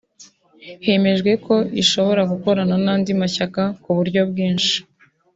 hemejwe ko ishobora gukorana n’andi mashyaka ku buryo bwinshi